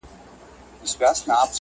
جانان ارمان د هره یو انسان دی والله.